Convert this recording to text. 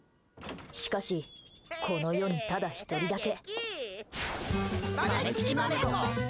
しかし、この世にただ１人だけ。